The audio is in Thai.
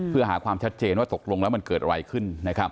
เพื่อหาความชัดเจนว่าตกลงแล้วมันเกิดอะไรขึ้น